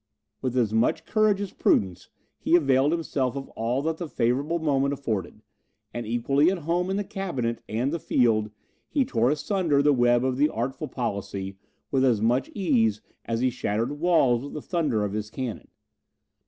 With as much courage as prudence, he availed himself of all that the favourable moment afforded; and equally at home in the cabinet and the field, he tore asunder the web of the artful policy, with as much ease, as he shattered walls with the thunder of his cannon.